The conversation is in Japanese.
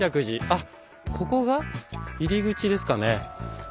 あっここが入り口ですかね。